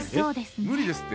無理ですって。